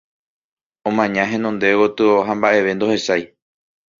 Omaña henonde gotyo, ha mba'eve ndohechái.